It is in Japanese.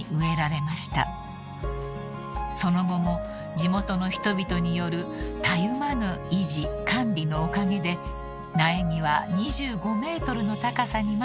［その後も地元の人々によるたゆまぬ維持・管理のおかげで苗木は２５ｍの高さにまで成長］